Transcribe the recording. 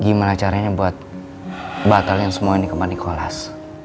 gimana caranya buat batalkan semua ini ke pak nikolas